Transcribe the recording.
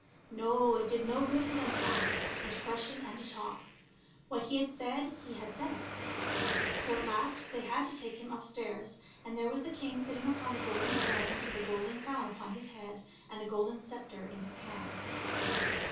No, it did no good for them to ask and to question and to talk ; what he had said he had said. So at last they had to take him up stairs, and there was the king sitting upon a golden throne with a golden crown upon his head and a golden sceptre in his hand.